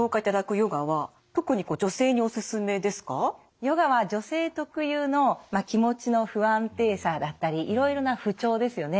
ヨガは女性特有の気持ちの不安定さだったりいろいろな不調ですよね